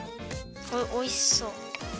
あっおいしそう。